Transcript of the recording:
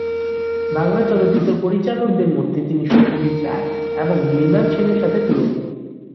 বাংলা চলচ্চিত্র পরিচালকদের মধ্যে তিনি সত্যজিৎ রায় এবং মৃণাল সেনের সাথে তুলনীয়।